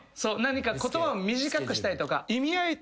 言葉を短くしたりとか。